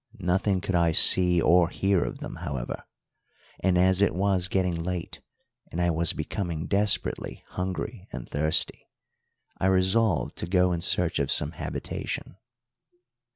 Nothing could I see or hear of them, however, and as it was getting late and I wasbecoming desperately hungry and thirsty, I resolved to go in search of some habitation.